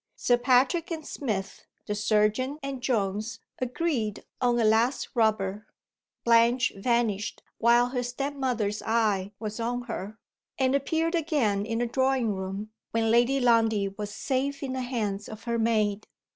Sir Patrick and Smith, the surgeon and Jones, agreed on a last rubber. Blanche vanished while her stepmother's eye was on her; and appeared again in the drawing room, when Lady Lundie was safe in the hands of her maid.